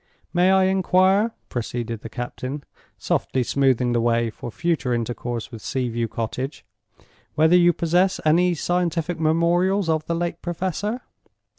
May I inquire," proceeded the captain, softly smoothing the way for future intercourse with Sea view Cottage, "whether you possess any scientific memorials of the late Professor?"